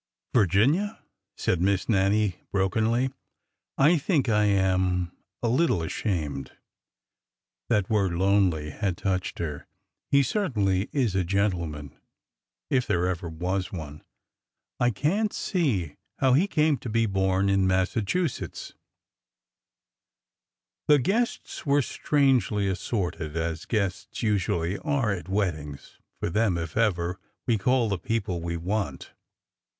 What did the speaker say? " Virginia," said Miss Nannie, brokenly, " I think— I am— a little ashamed." That word " lonely " had touched her. " He certainly is a gentleman, if there ever was one ! I cant see how he came to be born in Massa chusetts 1 " The guests were strangely assorted, as guests usually are at weddings, for then, if ever, we call the people we want.